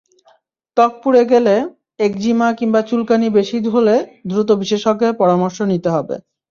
ত্বক পুড়ে গেলে, একজিমা কিংবা চুলকানি বেশি হলে দ্রুত বিশেষজ্ঞের পরামর্শ নিতে হবে।